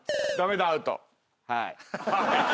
はい。